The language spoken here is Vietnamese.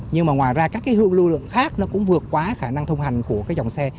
nhưng mà ngoài ra các cái lưu lượng khác nó cũng vượt quá khả năng thông hành của cái dòng xe